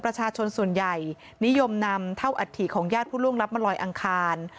ประชาชนส่วนใหญ่นิยมนำเท่าอัฐิของญาติผู้ล่วงลับมาลอยอังคาร